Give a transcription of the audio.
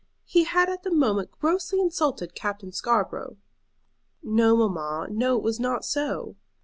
He had at that moment grossly insulted Captain Scarborough." "No, mamma; no, it was not so."